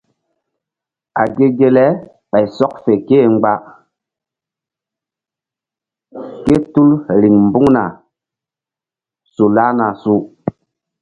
A ge ge le ɓay sɔk fe ké-e mgba ke tul riŋ mbuŋna su lahna su.